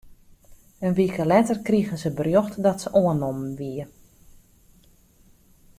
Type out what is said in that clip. In wike letter krige se berjocht dat se oannommen wie.